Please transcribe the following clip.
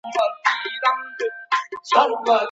د قابله ګانو شمیر څنګه زیاتیږي؟